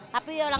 dia bisa beruekan